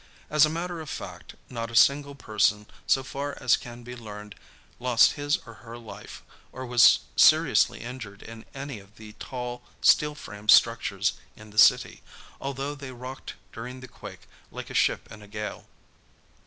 As a matter of fact, not a single person, so far as can be learned, lost his or her life or was seriously injured in any of the tall, steel frame structures in the city, although they rocked during the quake like a ship in a gale.